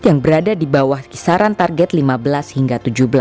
yang berada di bawah kisaran target lima belas hingga tujuh belas